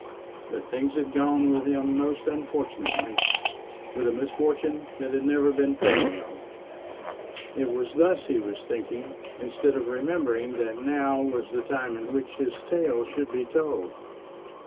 But things had gone with him most unfortunately, with a misfortune that had never been paralleled. It was thus he was thinking instead of remembering that now was the time in which his tale should be told.